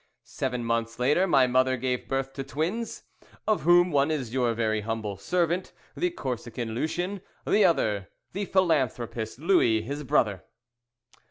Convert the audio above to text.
Seven months later my mother gave birth to twins, of whom one is your very humble servant, the Corsican Lucien; the other, the philanthropist, Louis, his brother."